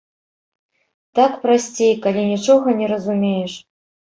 Так прасцей, калі нічога не разумееш.